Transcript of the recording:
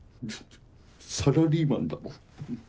サラリーマンだもん。